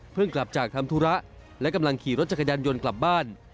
กลับจากทำธุระและกำลังขี่รถจักรยานยนต์กลับบ้าน